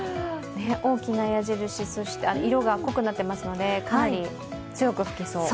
大きな矢印、そして色が濃くなっていまずすのでかなり強く吹きそう。